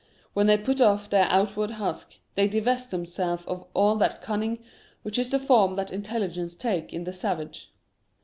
When they put off their outward husk, they divest themselves of all that 14 The Meaning of Mourning cunning which is the form that intelligence takes in the savage.